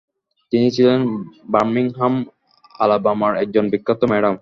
তিনি ছিলেন বার্মিংহাম, আলাবামার একজন বিখ্যাত ম্যাডাম।